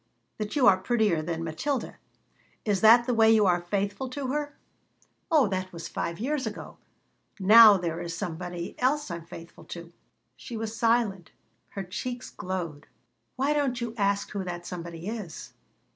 "That you are prettier than Matilda." "Is that the way you are faithful to her?" "Oh, that was five years ago. Now there is somebody else I am faithful to." She was silent. Her cheeks glowed "Why don't you ask who that somebody is?"